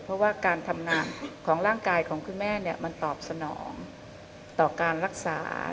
เพราะว่าการทำงานของร่างกายของคุณแม่มันตอบสนองต่อการรักษา